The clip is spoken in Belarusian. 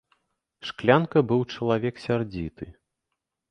Шклянка быў чалавек сярдзіты.